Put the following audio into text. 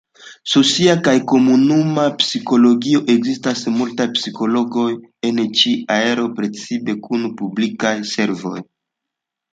Socia kaj Komunuma Psikologio: Ekzistas multaj psikologoj en ĉi areo, precipe kun publikaj servoj.